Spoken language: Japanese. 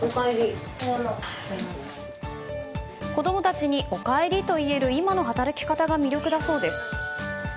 子供たちにおかえりと言える今の働き方が魅力だそうです。